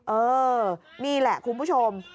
เออนี่แหละคุณผู้ชม